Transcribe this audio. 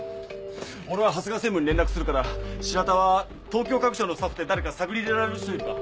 俺は長谷川専務に連絡するから白田は東京家具ショーのスタッフで誰か探り入れられる人いるか？